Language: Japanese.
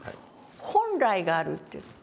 本来があるっていう。